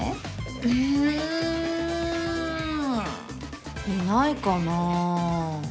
うんいないかな。